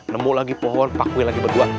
nemu lagi pohon pakui lagi berdua